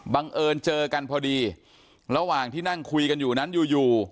บังเอิญเจอกันพอดีระหว่างที่นั่งคุยกันอยู่นั้นอยู่อยู่